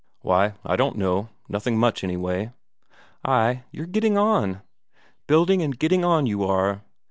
"Why, I don't know. Nothing much, anyway." "Ay, you're getting on; building and getting on you are.